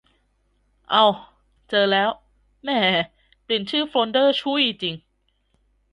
เอ้า เจอแล้ว แหม เปลี่ยนชื่อโฟลเดอร์ชุ่ยจริง